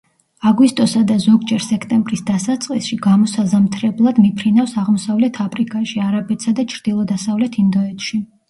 აგვისტოსა და ზოგჯერ სექტემბრის დასაწყისში გამოსაზამთრებლად მიფრინავს აღმოსავლეთ აფრიკაში, არაბეთსა და ჩრდილო-დასავლეთ ინდოეთში.